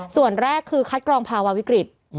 ส่วนแรกคือคัดกรองภาวะวิกฤต